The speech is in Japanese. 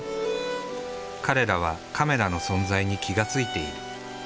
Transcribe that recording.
彼らはカメラの存在に気が付いている。